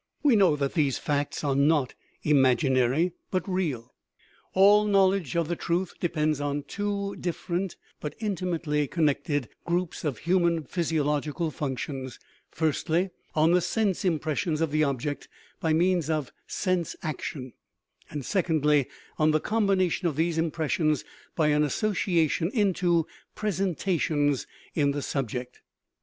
We know that these facts are not imaginary, but real. 292 KNOWLEDGE AND BELIEF All knowledge of the truth depends on two different, but intimately connected, groups of human physio logical functions: firstly, on the sense impressions of the object by means of sense action, and, secondly, on the combination of these impressions by an associa tion into presentations in the subject.